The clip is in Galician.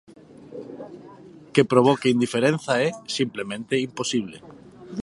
Que provoque indiferenza é, simplemente, imposible.